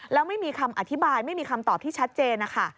แล้วไม่มีคำอธิบายไม่มีคำตอบที่ชัดเจนนะคะ